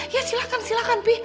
ya silahkan silahkan pi